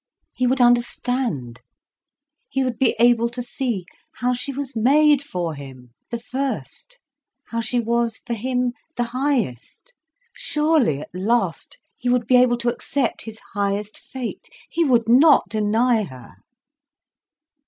He would understand, he would be able to see how she was made for him, the first, how she was, for him, the highest. Surely at last he would be able to accept his highest fate, he would not deny her.